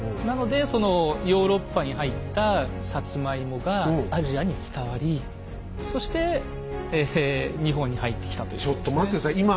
なのでそのヨーロッパに入ったサツマイモがアジアに伝わりそして日本に入ってきたというですね。